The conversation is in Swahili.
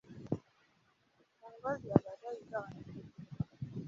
Mongolia baadaye ikawa nchi huru.